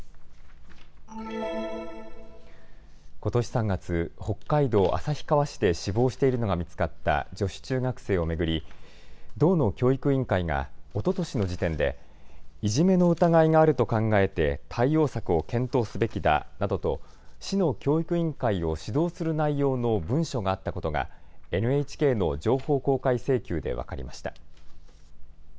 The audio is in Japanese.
ことし３月、北海道旭川市で死亡しているのが見つかった女子中学生を巡り道の教育委員会がおととしの時点でいじめの疑いがあると考えて対応策を検討すべきだなどと市の教育委員会を指導する内容の文書があったことがＮＨＫの情報公開請求で分かりました。